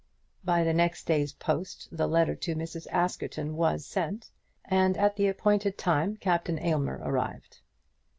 By the next day's post the letter to Mrs. Askerton was sent, and at the appointed time Captain Aylmer arrived.